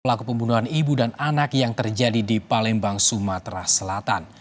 pelaku pembunuhan ibu dan anak yang terjadi di palembang sumatera selatan